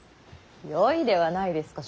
よいではないですか。